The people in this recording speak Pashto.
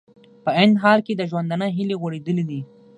په عین حال کې د ژوندانه هیلې غوړېدلې دي